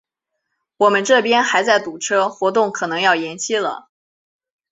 我们这边还在堵车，活动可能要延期了。